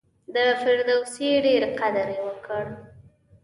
د فردوسي ډېر قدر یې وکړ.